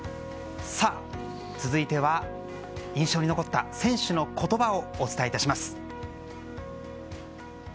続いては印象に残った選手の言葉をお伝え致します。